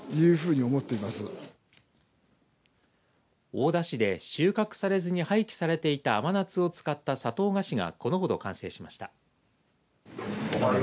大田市で、収穫されず廃棄されていた甘夏を使った砂糖菓子がこのほど完成しました。